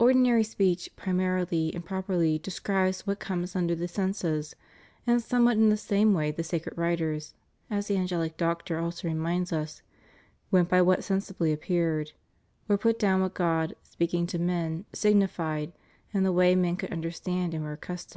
Ordinary speech primarily and properly describes what comes under the senses; and somewhat in the same way the sacred writers — as the Angelic Doctor also reminds us — "went by what sensibly appeared," * or put down what God, speaking to men, signified, in the way men could understand and were accustomed to.